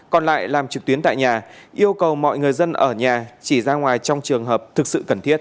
còn lại làm trực tuyến tại nhà yêu cầu mọi người dân ở nhà chỉ ra ngoài trong trường hợp thực sự cần thiết